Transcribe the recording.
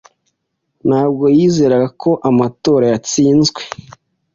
Ntabwo yizeraga ko amatora yatsinzwe.